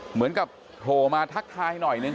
เหมือนกับโผล่มาทักทายหน่อยนึง